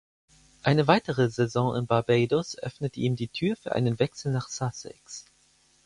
Eine weitere Saison in Barbados öffnete ihm die Tür für einen Wechsel nach Sussex.